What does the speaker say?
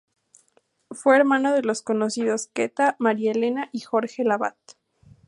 Fue hermano de los conocidos Queta, María Elena y Jorge Lavat.